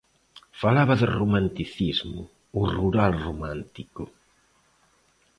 Falaba de romanticismo, o rural romántico.